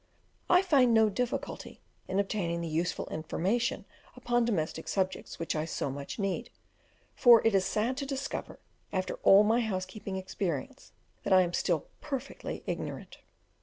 I find no difficulty in obtaining the useful information upon domestic subjects which I so much need; for it is sad to discover, after all my house keeping experience, that I am still perfectly ignorant.